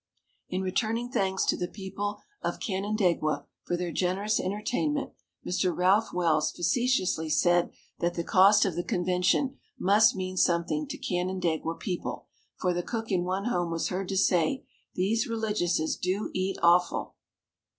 In returning thanks to the people of Canandaigua for their generous entertainment, Mr. Ralph Wells facetiously said that the cost of the convention must mean something to Canandaigua people, for the cook in one home was heard to say, "These religiouses do eat awful!"